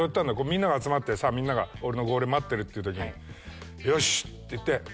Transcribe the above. みんなが集まってさみんなが俺の号令待ってるってときに「よし」って言って。